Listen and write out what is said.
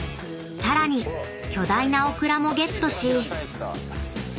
［さらに巨大なオクラもゲットし］